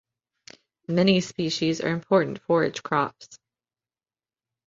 Many species are important forage crops.